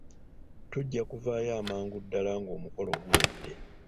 Tujja kuvaayo amangu ddala ng'omukolo guwedde.